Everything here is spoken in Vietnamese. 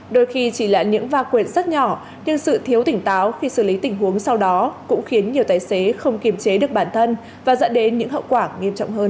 đôi khi chỉ là những va quyệt rất nhỏ nhưng sự thiếu tỉnh táo khi xử lý tình huống sau đó cũng khiến nhiều tài xế không kiềm chế được bản thân và dẫn đến những hậu quả nghiêm trọng hơn